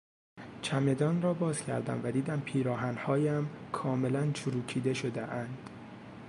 چمدان را باز کردم و دیدم پیراهنهایم کاملا چروکیده شدهاند.